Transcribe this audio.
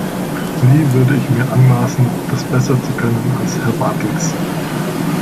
Nie würde ich mir anmaßen, das besser zu können als Herr Bartels.